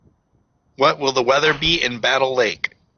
What will the weather be in Battle Lake?